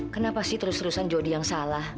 kenapa sih terus terusan jadi yang salah